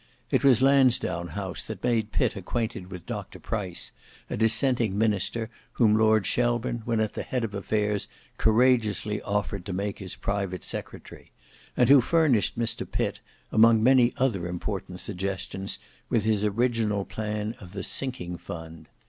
It was Lansdowne House that made Pitt acquainted with Dr Price, a dissenting minister, whom Lord Shelburne when at the head of affairs courageously offered to make his private secretary, and who furnished Mr Pitt, among many other important suggestions, with his original plan of the sinking fund.